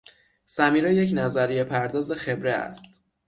سمیرا یک نظریهپرداز خبره است